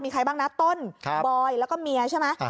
มีใครบ้างนะต้นบอยแล้วก็เมียใช่ไหม